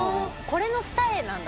これの二重なんだ。